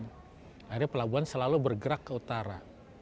akhirnya pelabuhan selalu bergerak ke utara